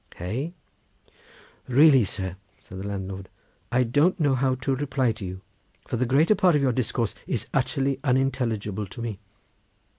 Hey?" "Really, sir," said the landlord, "I don't know how to reply to you, for the greater part of your discourse is utterly unintelligible to me.